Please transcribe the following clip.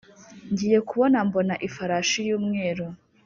Ngiye kubona mbona ifarashi y’umweru